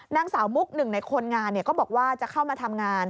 นางสาวมุกหนึ่งในคนงานก็บอกว่าจะเข้ามาทำงาน